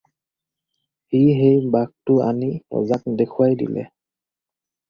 সি সেই বাঘটো আনি ৰজাক দেখুৱাই দিলে।